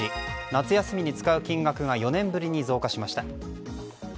夏休みに使う金額が４年ぶりに増加しました。